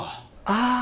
ああ